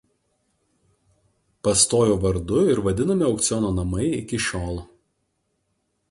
Pastojo vardu ir vadinami aukciono namai iki šiol.